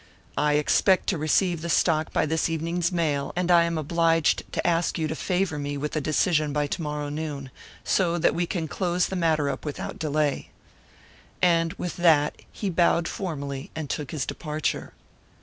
I expect to receive the stock by this evening's mail, and I am obliged to ask you to favour me with a decision by to morrow noon, so that we can close the matter up without delay." And with that he bowed formally and took his departure.